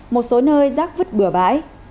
một số nơi rác vứt bửa bãi